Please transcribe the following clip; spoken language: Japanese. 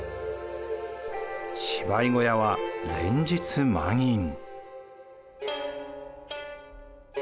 芝居小屋は連日満員。